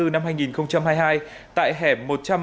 năm hai nghìn hai mươi hai tại hẻm